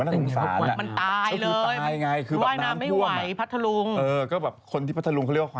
รู้สึกคนสั่งเขาก็ดังดูอยู่นะคะ